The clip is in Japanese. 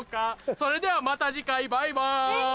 それではまた次回バイバイ！